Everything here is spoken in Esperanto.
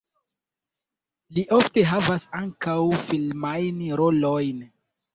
Li ofte havas ankaŭ filmajn rolojn.